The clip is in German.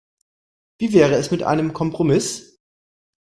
Wie wäre es mit einem Kompromiss?